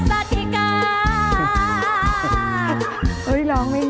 มันติดคุกออกไปออกมาได้สองเดือน